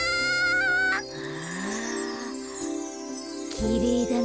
きれいだね。